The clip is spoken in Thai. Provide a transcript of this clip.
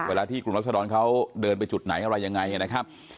ที่กลุ่มรัศดรเขาเดินไปจุดไหนอะไรยังไงนะครับ